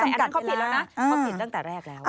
เขาจำกัดเวลาอันนั้นเขาผิดแล้วนะเขาผิดตั้งแต่แรกแล้ว